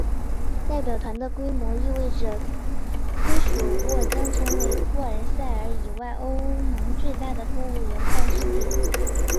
代表团的规模意味着科索沃将成为布鲁塞尔以外欧盟最大的公务员办事地。